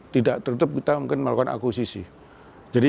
tidak tertutup kita mungkin melakukan akuisisi